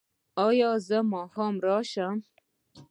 ایا زه ماښام راشم؟